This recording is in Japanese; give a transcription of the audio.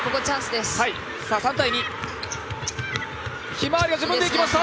ひまわり自分でいきました！